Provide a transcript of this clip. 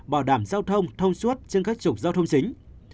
bảo đảm giao thông thông suốt trên các trục giao thông chính